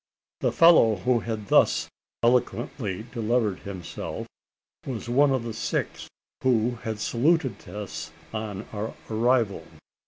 The fellow who had thus eloquently delivered himself was one of the six who had saluted us on our arrival.